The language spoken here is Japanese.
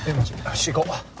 よし行こう！